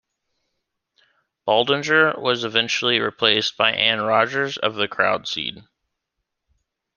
Baldinger was eventually replaced by Anne Rogers of The Crowd Scene.